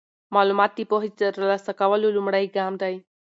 معلومات د پوهې د ترلاسه کولو لومړی ګام دی.